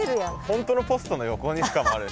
本当のポストの横にしかもある。